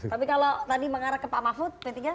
tapi kalau tadi mengarah ke pak mahfud p tiga